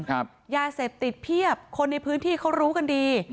ยาเสพติดเพียบคนในพื้นที่เขารู้กันดี